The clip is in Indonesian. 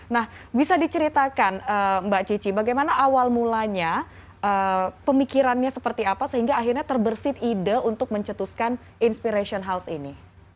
nah bisa diceritakan mbak cici bagaimana awal mulanya pemikirannya seperti apa sehingga akhirnya terbersih ide untuk mencetuskan inspiration house ini